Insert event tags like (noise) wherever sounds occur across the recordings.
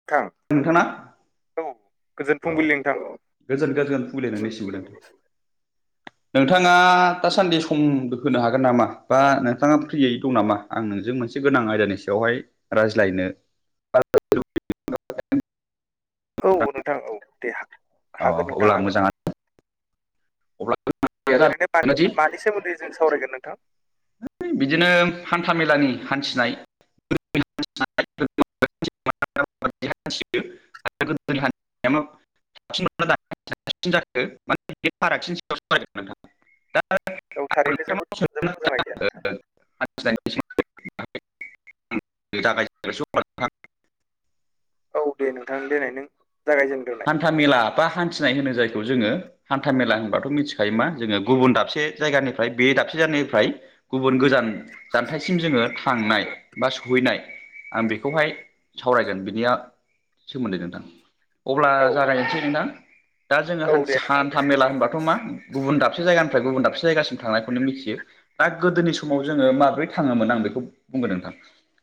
(unintelligible) नोंथांना औ गोजोन अ फुंबिलि नोंथां गोजोन गोजोन फुंबगलि नोंसिमबो नोंथां। नोंथाङा दासान्दि सम होनो हागोन नामा बा नोंथाङा फ्रियै दं नामा? आं नोंजों मोनसे गोनां आयदानि सायावहाय रायज्लायनो औ नोंथां औ दे अ हागोन नोंथां अब्ला हागोन। मोजाङानो अब्ला ओरैनो बाद जादोंदि मानि सोमोन्दै जों सावरायगोन नोंथां। है बिदिनो हान्था मेलानि हान्थिनाय। (unintelligible) (unintelligible) औ थारैनो जोबोद जोबोद मोजां आयदिया नोंथां। (unintelligible) जागखयजेननोसै अब्ला नोंथां। औ दे नोंथां देनाय नों जागायजेन। हान्था मेला बा हान्थिनाय होनो जायखौ जोङो। हान्था मेला होनबाथ' मिथिखायो मा जोङो गुबुन दाबसे जायगानिफ्राय बे दाबसे जायगानिफ्राय गुबुन गोजान जानथायसिम जोङो थांनाय बा सहैनाय। आं बेखौहाय सावरायगोन बिनिया सोमोन्दै नोंथां। अब्ला औ जागायनोसै नोंथां दा जोङो औ दे हान्थि नोंथां दे हान्था मेला होनबाथ' मा गुबुन दाबसे जायगानिफ्राय गुबुन दाबसे जायगासिम थांनायखौनो मिथियो दा गोदोनि समाव जोङो माब्रै थाङोमोन आं बेखौ बुंगोन नोंथां।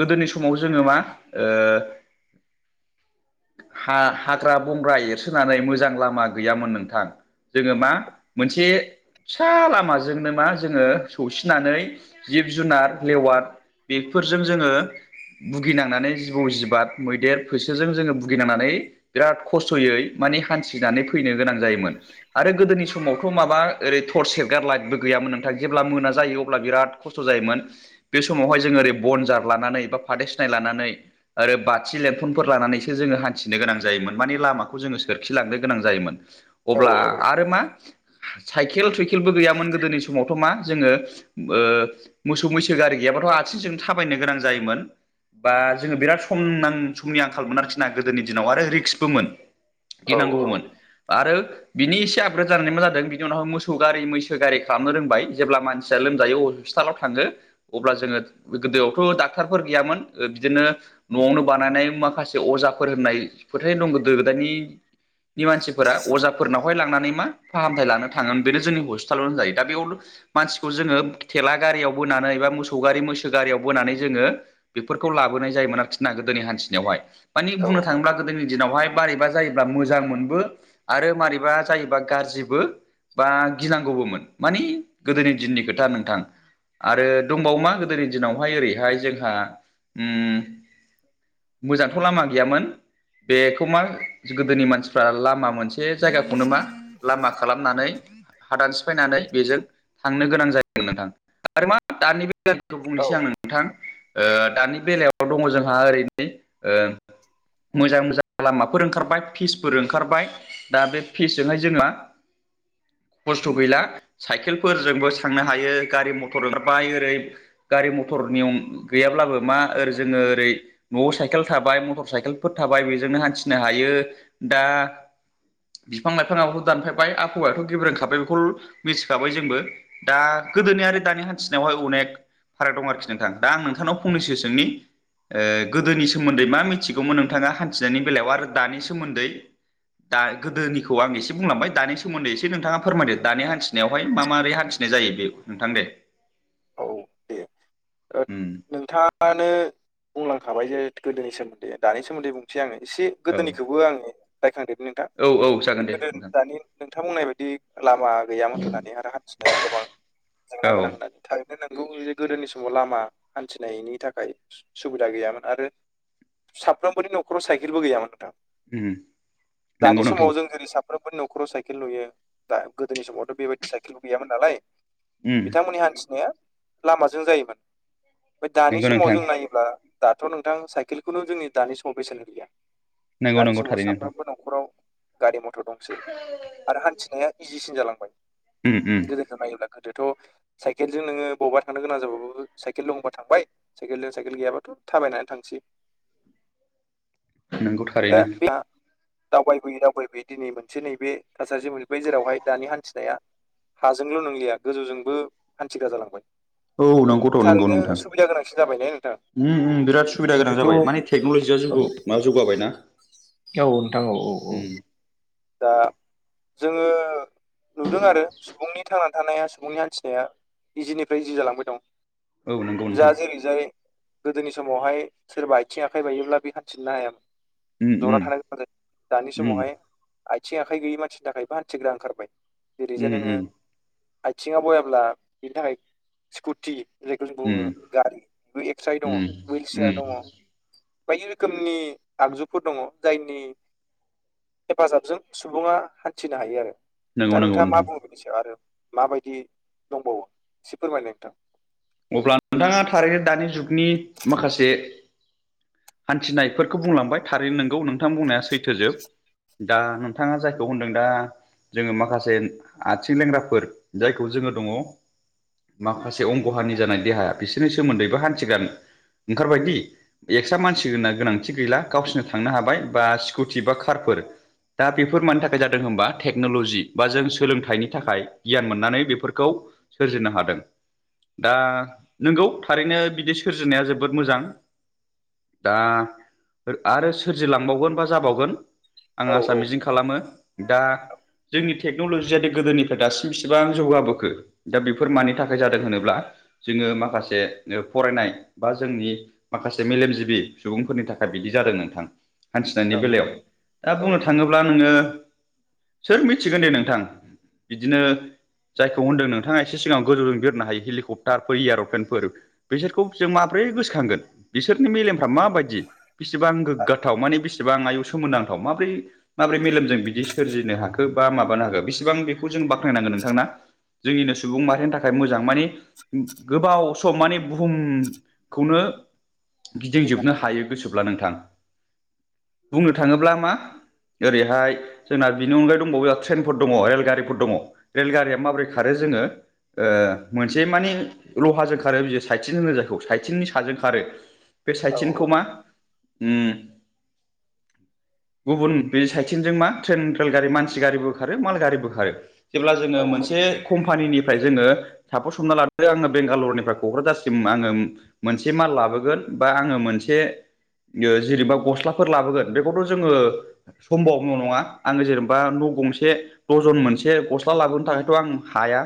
गोदोनि समाव जोङो मा ओ हा हाग्रा बंग्रा एरसोनानै मोजां लामा गैयामोन नोंथां। जोङो मा मोनसे फिसा लामाजोंनो मा जोङो सौसिनानै जिब जुनार लेवार बेफोरजों जोङो भुगिनांनानै जिबौ जिबाद मैदेर फैसोजों जोङो भुगिनांनानै बिराद खस्थ'यै माने हान्थिनानै फैनो गोनां जायोमोन। आरो गोदोनि समावथ' माबा ओरै टर्स सेरग्रा लाइटबो गैयामोन नोंथां जेब्ला मोना जायो अब्ला बिराद खस्थ' जायोमोन। बे समावहाय जोङो ओरै बनजार लानानै बा फाथै सिनाय लानानै ओरै बाथि लेंथनफोर लानानै जोंङो हानथिनो गोनां जायोमोन माने लामाखौ जोङो सोरखिलांनो गोनां जायोमोन। औ अब्ला आरो मा? साइकेल थुखेलबो गैयामोन गोदोनि समावथ' मा? जोङो ओ मोसौ मैसो गारि गैयाबाथ' आथिंजों थाबायनो गोनां जायोमोन। बा जोङो बिराद सम नां समनि आंखालमोन आरोखि। गोदोनि दिनाव आरो रिक्सबोमोन औ गिनांगौमोन आरो बिनि एसे आपग्रेड जानानै मा जादों बिनि उनावाय मोसौ गारि मैसो गारि खालामनो रोंबाय जेब्ला मानसिया लोमजायो अ हस्पिटालाव थाङो। अब्ला जोङो गोदोआवथ' डाक्टरफोर गैयामोन ओ बिदिनो न'आवनो बानायनाय माखासे अजाफोर होननाय फोथायनाय दं गोदो गोदानिनि मानसिफोरा अजाफोरनाव बेवहाय लांनानै मा फाहामथाय लानो थांगोन बेनो जोंनि हस्पिटालावनो जायो दा बेयाव मानसिखौ जोङो थेला गारियाव बोनानै बा मोसौ गारि मैसो गारियाव बोनानै जोङो बेफोरखौ लाबोनाय जायोमोन आरोखि ना गोदोनि हान्थिनायावहाय, मानि औ बुंनो थाङोब्ला जोंनि दिनावहाय मारैबा जायोब्ला मोजां मोनबो आरो मारैबा जायोबब्ला गाज्रिबो। बा गिनांगौबोमोन माने गोदोनि दिननि खोथा नोंथां। आरो दंबावोमा गोदोनि दिनावहाय ओरैहाय जोंहा म मोजांथ' लामा गैयामोन। बेखौ मा गोदोनि मानसिफ्रा लामा मोनसे जायगाखौनो मा? लामा खालामनानै हादान सिफायनानै बेजों थांनो गोनां जायोमोन नोंथां आरो मा दानि बे औ बुंनोसै आं नोंथां दानि बेलायाव दङ जोंहा ओरैनो ओ मोजां मोजां लामाफोर ओंखारबाय फिसफोर ओंखारबाय। दा बे फिसजोंहाय जोंना खस्थ' गैला साइकेलफोरजोंबो थांनो हायो गारि मथर ओखारबाय ओरै गारि मथर नियम गैयाब्लाबो माै जोङो ओरै न'आव साइकेल थाबाय मटर साइकेलफोर थाबाय बेजोंनो हान्थिनो हायो दा बिफां लाइफाङाबथ' दानफायबाय आखहौवाथ' गेब्रोंखाबाय बेखौल मिथिखाबाय जोंबो। दा गोदोनि आरो दानि हान्थिनायावहाय अनेक फाराग दं आरोखि नोंथां दा आं नोंथांनाव फंनैसो सोंनि ओ गोदोनि सोमोन्दै मा मिथिगौमोन नोंथाङा हान्थिनायनि बेलायाव आरो दानि सोमोन्दै? दा गोदोनिखौ आं एसे बुंलांबाय दानि सोमोन्दै एसे नोंथाङा फोरमायदो दानि हान्थिनायावहाय मा मारै हान्सि नाय जायो बे नोंथां दे औ दे ओ उम नोंथाङानो बुंलांखाबाय जे गोदोनि सोमोन्दै दानि सोमोन्दै बुं एसै आङो एसे औ गोदोनिखौबो आङो रायखांदेर नोंथां। औ औ जागोन दे गोदो नोंथां दानि नोंथां बुंनाय बायदि लामा गैयामोन होननानै आरो हान्थिनाया गोबां औ जेंना गोनां होननानै थारैनो नंगौे गोदोनि समाव लामा हान्थिनायनि थाखाय सुबिदा गैयामोन आरो साफ्रोमबोनि न'खराव साइकेलबो गैयामोन नोंथां। उम नंगौ दानि नोंथां समाव जों जेरै सा फफ्रोमबो नखराव साइकेल नुयो दा गोदोनि समावथ' बेबायदि साइकेलबो गैयामोन नालाय। उम बिथांमोननि हान्थिनाया लामाजों जायोमोन ओमफ्राय दानि नंगौ समाव नोंथां जों नायोब्ला दाथ' नोंथां साइकेलखौनो जोंनि दानि समाव बेसेन होलिया नंगौ दानि नंगौ समाव थारैनो नोंथां साफ्रोमबो दं न'खराव गारि मथर दंसै आरो हान्थिनाया इजिसिन जालांबाय उम उम। गोदो नायोब्ला गोदोथ' साइकेलजों नोङो बबावबा थांनो गोनां जाबाबो साइकेल दंबा थांबाय साइकेलजों साइकेल गैयाबाथ' थाबायनानै थांसै। नंगौ। थारैनो (unintelligible) दावबायबोयै दावबायबोयै दिनै मोनसे नैबे थासारिजों मोनबाय जेरावहाय दानि हान्थिनाया हाजोंल' नंलिया गोजौजोंबो हान्थिग्रा जालांबाय। औ नंगौथ' थारैनो सुबिदा गोनांसिन जाबाय ने नोंथां? म बिराद सुबिदा गोनां जाब औ मानानि टेक्न'लजिया ज माबा जौगाबाय ना। औ नोंथां औ औ औ। दा जोङो नुदों आरो सुबुंनि थांनानै थानाया सुबुंनि हान्थिनाया इजिनिफ्राय इजि जालांबाय दं। औ नंगौ नोंथां जाहाज जेरैजाय गोदोनि समावहाय सोरबा आथिं आखाइ बायोब्ला बे हान्थिननो हायामोन। उम जना उम थानाय गोनां जायो। दानि उम समावहाय आइथिं आखाइ गैयै मानसिनि थाखायबो हान्थिग्रा ओंखारबाय जेरै जाय उम नोङो उम आथिङाव बयाब्ला बिनि थाखाय स्कुटि जायखौ जों उम बुङो गारि बे एक्साइ दङ उम हुइल उम चियार दङ बायदि रोखोमनि आगजुफोर दङ जायनि हेफाजाबजों सुबुङा हान्थिनो हायो आरो नंगौ दा नंगौ नोंथाङा नोंथां मा बुंङो? से आरो माबायदि दंबावो एसे फोरमायनाय नोंथां। अब्ला नोंथाङा थारैनो दानि जुगनि माखासे हान्थिनायफोरखौ बुंलांबाय थारैनो नोंगौ नोंथां बुंनाया सैथोजोब। दा नोंथाङा जायखौ होनदों दा जोङो माखासे आथिं लेंग्राफोर जायखौ जोङो दङ माखासे खहानि जानाय देहाया बिसोरनि सोमोन्दैबो हान्थिगोन ओंखारबायदि एक्सट्रा मानसि होनना गोनांथि गैला गावसोरनो थांनो हाबाय बा स्कुटि बा कारफोर दा बेफोर मानि थाखाय जादों होनबा टेक्न'ल'जि बा जों सोलोंथाइनि थाखाय गियान मोननानै बेफोरखौ सोरजिनो हादों। दा नंगौ थारैनो बिदि सोरजिनाया जोबोद मोजां। दा आरो सोरजिलांबावगोन बा जाबावगोन आं औ आसा‌ औ मिजिं खालामो दा जोंनि टेक्न'लजियााद गोदोनिफ्राय दासिम बिसिबां जौगाबोखो दा बेफोर मानि थाखाय जादों होनोब्ला जोङो माखासे फरायनाय बा जोंनि माखासे मेलेमजिबि सुबुंफोरनि थाखाय बिदि जादों नोंथां। हान्थिनायनि औ बेलायाव दा बुंनो औ थाङोब्ला नोङो सोर मिथिगोन दे नोंथां? बिदिनो जायखौ होनदों नोंथाङा एसे सिगाङाव गोजौजों बिरनो हायो हेलिकप थारफोर एर'प्लेनफोर बिसोरखौ जों माबोरै गोसोखांगोन बिसोरनि मेलेमफ्रा माबायदि? बेसेबां आं गोग्गाथाव माने बेसेबां आं आयौ सोमोन्दांथाव माबोरै माबोरै मेलेमजों बिदि सोरजिनो हाखो बा माबानो हाखो बेसिबां बेखौ जों बाख्नायनांगोन नोंथां ना। जोंनिनो सुबुं माहारिनि थाखाय मोजां माने गोबाव सम माने बुहुमखौनो जोंना गिदिंजोबनो हायो गोसोब्ला नोंथां बुंनो थाङोब्ला मा ओरैहाय जोंना बिनि अनगायै दंबावो ट्रेनफोर दङ रेलगारिफोर दङ। रेलगारिया माबोरै खारो जोङो मोनसे माने लहाजों खारो बि साइथिंन होनो जायखौ सायथिंननि साजों खारो बे औ औ सायथिनखौ मा उम गुबुन बे साइडथिनजों मा ट्रेन रेल गारि मानसि गारिबो खारो माल गारिबो खारो। जेब्ला जोङो औ औ मोनसे कम्पानिनिफ्राय जोङो सापस हमना लादो आङो बेंगालरनिफ्राय क'क्राझारसिम आङो मोनसे माल लाबोगोन बा आङो मोनसे जेनेबा गस्लाफोर लाबोगोन बेखौथ' जोङो समभव नङा आङो जेनेबा न' गंसे दरजन मोनसे गस्ला लाबोनो थाखायथ' आं हाया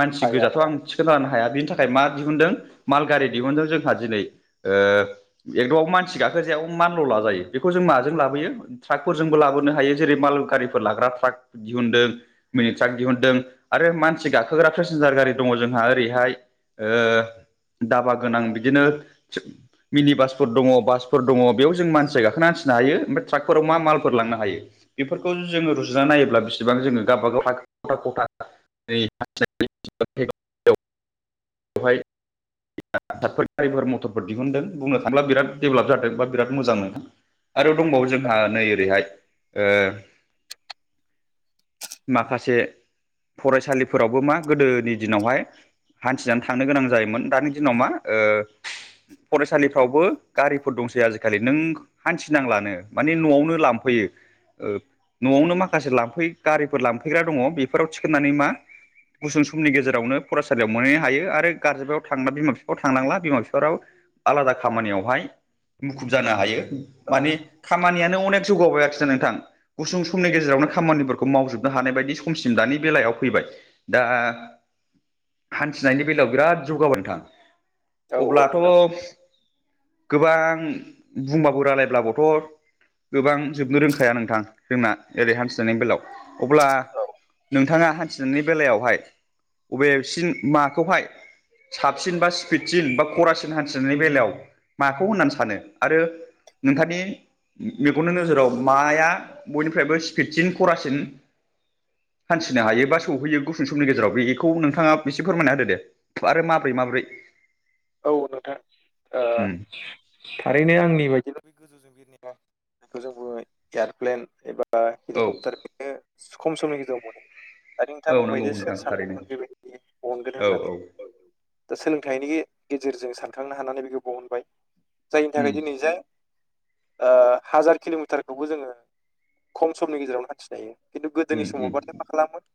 मानसि हाया गोजाथ' आं थि खोनो हाया बिनि थाखाय मा दिहुनदों माल गारि दिहुनदों जोंहा दिनै ओ एकद'व मानसि गाखोजाया माल ल' लाजायो बेखौ जों माजों लाबोयो ट्राकफोरजोंबो लाबोनो हायो जेरै माल गारिफोर लाग्रा ट्राक दिहुनदों। मिनिट्राक दिहुनदों आरो मानसि गाखोग्रा पेसेन्जार गारि दङ जोंहा बेहाय दाबा गोनां बिदिनो मिनि बासफोर दङ बासफोर दङ बेयाव जों मानसिया गाखोनो हान्सिनो हायो ओमफ्राय ट्राकफोराव मा मालफोर लांनो हायो। बेफोरखौ जोङो रुजुनानै नायोब्ला बिसेबां जोङो गावबा गाव खथा खथा (unintelligible) बेवहाय मथरफोर गारिफोर मटरफोर दिहुनदों बुंनो थांब्ला बिराद डेभेलप जादों बा बिराद मोजां माने। आरो दंबावो जोंहा नै ओरैहाय माखासे फरायसालिफोरावबो मा गोदोनि दिनावहाय हान्थिनानै थांनो गोनां जायोमोन दानि दिनाव मा फरायसालिफ्रावबो गारिफोर दंसै आजिखालि। नों हान्थिनांलानो माने न'आवनो लांफैयो। ओं। न'आवनो माखासे लांफै गारिफोर लांफैग्रा दङ बेफोराव थिखोनानै मा गुसुं समनि गेजेरावनो फरायसालिआव मोनहनो हायो आरो गारजेनफोराबो थांनो बिमा बिफाफोराबो थांनांला बिमा बिफाफोरा आलादा खामानियावहाय मुखुब जानो हायो औ माने खामानियानो अनेक जौगाबोबायखि नोंथां। गुसुं समनि गेजेरावनो खामानिफोरखौ मावजोबनो हानाय बायदि समसिम दानि बेलायाव फैबाय। दा हान्थिनायनि बेलायाव बिराद जौगाबाय नोंथां औ अब्लाथ' नोंथां गोबां बुंबाबो राय्लायब्लाबोथ' गोबां जोबनो रोंखाया नोंथां जोंना ओरै हान्थिनायनि बेलायाव। अब्ला औ नोंथाङा हान्थिनायनि बेलायावहाय बबेसिम माखौहाय साबसिन बा स्पिडसिन बा खरासिन हान्थिनायनि बेलायाव माखौ होननानै सानो? आरो नोंथांनि मेगननि नोजोराव माया बयनिफ्रायबो स्पिडसिन खरासिन हान्थिनो हायो बा सौहैयो गुसुं समनि गेजेराव बेखौ नोंथाङा एसे फोरमायना होदो दे। आरो माब्रै माब्रै औ नोंथां। ओ उम थारैनो आंनि बायदिब्ला' बे गोजौजों बिरनाय बेखौ जोंबो एयारप्लेन एबा बा औ हेलिकप्टार बेनो खम समनि गेजेराव मोनो। दा औ नोंथाङा नंगौ बुंबाय जे सोर नोंथां थारैनो सानदोंमोन बेबायदि बहनगोन औ होननानै। औ दा सोलोंथाइनि गेजेरजों सानखांनो हानानै बेखौ बहनबाय। जायनि उम थाखाय दिनै जाय हाजार किल'मिटारखौबो जोङो खम समनि गेजेरावनो हान्थिनो हायो। खिन्थु उम गोदोनि उम समावबाथाय मा खालामोन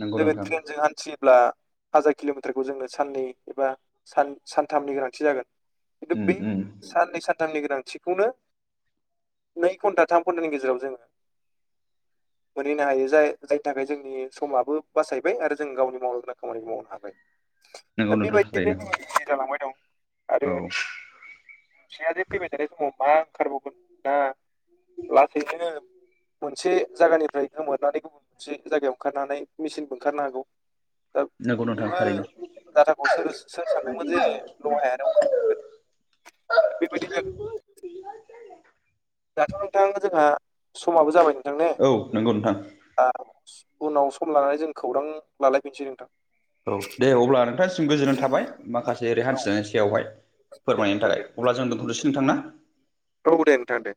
नंगौ जोङो नोंथां ट्रेनजों हान्थियोब्ला हाजार किल'मिटारखौ जोंनो साननै एबा सानथामनि गोनांथि जागोन। खिन्थु उम बे उम साननै सानथामनि गोनांथिखौनो नै घन्टा थाम घन्टानि गेजेराव जोङो (inaudible) मोनहैनो हायो जाय जायनि थाखाय जोंनि समाबो बासायबाय आरो जों गावनि मावनो गोनां खामानिखौ मावनो हाबाय। नंगौ दा नोंथां बेबायदियैनो थारैनो जोबोद इजि जालांबाय दंव औ आरो फसयाजे फैबाय थानाय समाव मा ओंखारबावगोन मा फाल्स इदिनो मोनसे जायगानिफ्राय गोमोरनानै गुबुन मोनसे जायगायाव ओंखारनानै मेसिनबो ओंखारनो हागौ। दा नंगौ नोंथां थारैनो बेबो डाटाखौ सोर- सोर सानदोंमोन जे लहायानो बेबायदिनो दाथ' नोंथां जोंहा समाबो जाबाय नोंथां ने? औ नंगौ नोंथां। ओ उनाव सम लानानै जों खौरां लालायफिनसै नोंथां। औ दे अब्ला नोंथांनिसिम गोजोननाय थाबाय माखासे ओरै औ हान्थिनायनि सायावहाय। दे फोरमायनायनि नोंथां थाखाय दे अब्ला जों दोनथ'नोसै नोंथांना? औ दे नोंथां दे